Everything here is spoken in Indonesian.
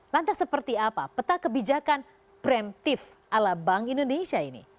lantas seperti apa peta kebijakan preventif ala bank indonesia ini